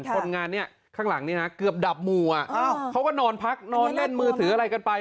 คนงานเนี่ยข้างหลังนี้นะเกือบดับหมู่เขาก็นอนพักนอนเล่นมือถืออะไรกันไป